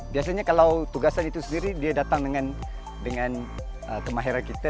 biasanya kalau tugasan itu sendiri dia datang dengan kemahera kita